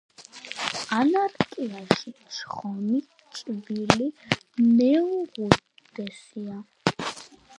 ანარკიაშა ჩხომი ჭვილი მეუღუდესია.